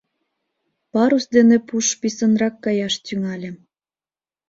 Парус дене пуш писынрак каяш тӱҥале.